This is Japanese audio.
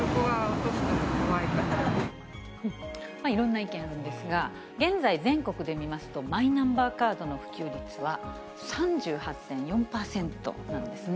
いろんな意見があるんですが、現在、全国で見ますと、マイナンバーカードの普及率は３８．４％なんですね。